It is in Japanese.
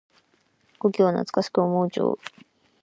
故郷を懐かしく思う情。